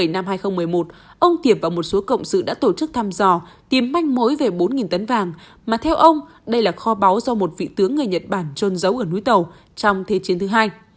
năm hai nghìn một mươi một ông tiệp và một số cộng sự đã tổ chức thăm dò tìm manh mối về bốn tấn vàng mà theo ông đây là kho báu do một vị tướng người nhật bản trôn giấu ở núi tàu trong thế chiến thứ hai